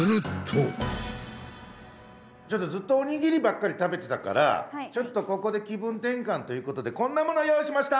ずっとおにぎりばっかり食べてたからちょっとここで気分転換ということでこんなもの用意しました！